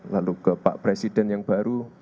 lalu ke pak presiden yang baru